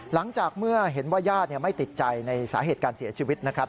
หลังจากเมื่อเห็นว่าญาติไม่ติดใจในสาเหตุการเสียชีวิตนะครับ